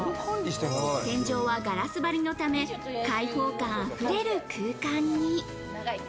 天井はガラス張りのため、開放感あふれる空間に。